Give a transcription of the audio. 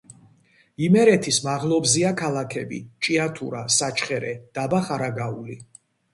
იმერეთის მაღლობზეა ქალაქები: ჭიათურა, საჩხერე, დაბა ხარაგაული.